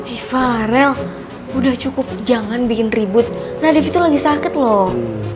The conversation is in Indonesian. evarel udah cukup jangan bikin ribut nadif itu lagi sakit loh